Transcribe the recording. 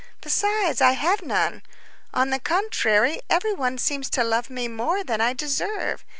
Besides, I have none. On the contrary, every one seems to love me more than I deserve.